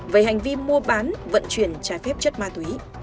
về hành vi mua bán vận chuyển trái phép chất ma túy